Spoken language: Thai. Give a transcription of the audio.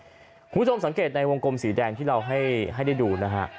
คุณผู้ชมสังเกตในวงกลมสีแดงที่เราให้ได้ดูนะฮะ